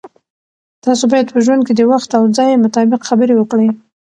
تاسو باید په ژوند کې د وخت او ځای مطابق خبرې وکړئ.